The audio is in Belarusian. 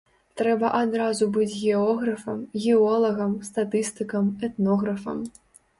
Трэба адразу быць географам, геолагам, статыстыкам, этнографам!